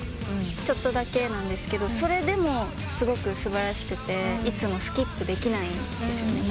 ちょっとだけなんですけどそれでもすごく素晴らしくていつもスキップできないんですね。